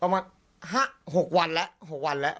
ประมาณห้าหกวันแล้ว